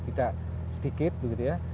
tidak sedikit gitu ya